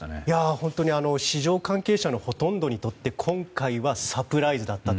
本当に市場関係者のほとんどにとって今回はサプライズだったと。